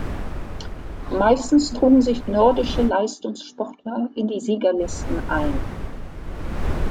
Meistens trugen sich nordische Leistungssportler in die Siegerlisten ein.